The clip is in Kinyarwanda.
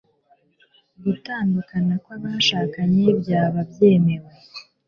gutandukana kw'abashakanye byaba byemewe